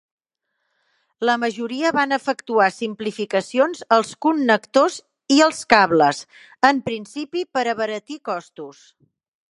La majoria van efectuar simplificacions als connectors i els cables, en principi per abaratir costos.